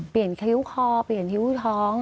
เปลี่ยนคิ้วคอเปลี่ยนคิ้วท้อง